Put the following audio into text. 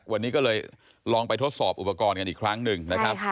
วันนี้ก็เลยลองไปทดสอบอุปกรณ์กันอีกครั้งหนึ่งนะครับ